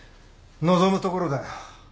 望むところだよ。